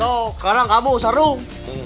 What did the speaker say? sok kadang kamu sardung